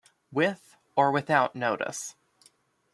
With or without notice.